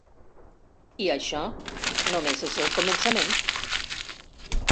I això només és el començament.